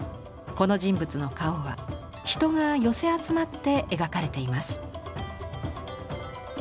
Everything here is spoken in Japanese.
この人物の顔は人が寄せ集まって描かれています。